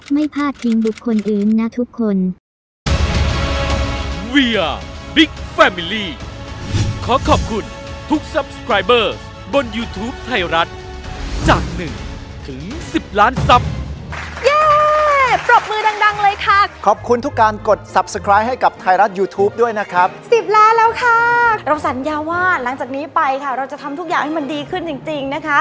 ไม่พลาดทิ้งบุคคลอื่นนะทุกคน